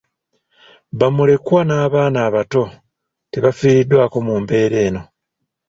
Bamulekwa n’abaana abato tebafiiriddwako mu mbeera eno.